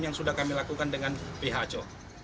yang sudah kami lakukan dengan pihak aco